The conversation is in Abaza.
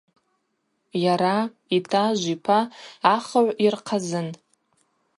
Йара, йтажв, йпа – ахыгӏв йырхъазын.